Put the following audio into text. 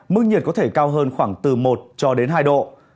mức nhiệt có thể cao hơn khoảng từ một cho đến hai độ